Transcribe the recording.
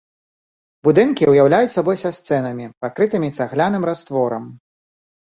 Будынкі ўяўляюць сабой са сценамі, пакрытымі цагляным растворам.